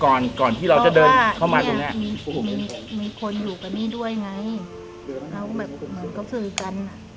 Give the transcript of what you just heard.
ก่อนก่อนที่เราจะเดินเข้ามาตรงเนี้ยมีคนอยู่กับนี่ด้วยไงเขาก็แบบเหมือนเขาสื่อกันอ่ะ